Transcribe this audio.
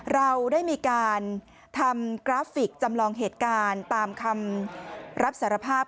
เราได้มีการทำกราฟิกจำลองเหตุการณ์ตามคำรับสารภาพ